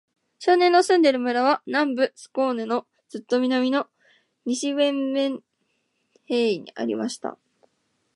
少年の住んでいる村は、南部スコーネのずっと南の、西ヴェンメンヘーイにありました。